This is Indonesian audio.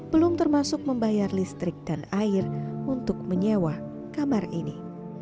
belum termasuk membayar listrik dan air untuk menyewa kamar ini